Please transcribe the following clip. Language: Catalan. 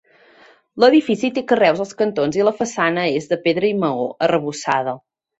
L'edifici té carreus als cantons i la façana és, de pedra i maó, arrebossada.